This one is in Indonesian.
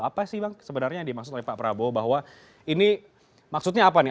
apa sih bang sebenarnya yang dimaksud oleh pak prabowo bahwa ini maksudnya apa nih